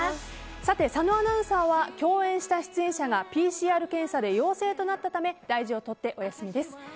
さて、佐野アナウンサーは共演した出演者がＰＣＲ検査で陽性となったため大事を取ってお休みです。